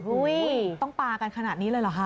ต้องปลากันขนาดนี้เลยเหรอคะ